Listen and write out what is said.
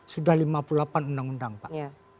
sudah lima puluh delapan undang undang pak